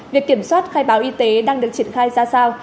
việc kiểm soát khai báo y tế đang được triển khai ra sao